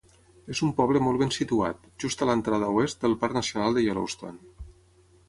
És un poble molt ben situat, just a l'entrada oest del Parc Nacional de Yellowstone.